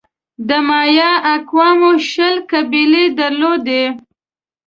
د مایا اقوامو شل قبیلې درلودې.